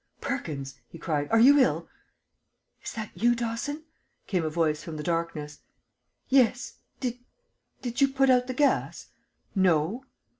"Perkins," he cried, "are you ill?" "Is that you, Dawson?" came a voice from the darkness. "Yes. Did did you put out the gas?" "No."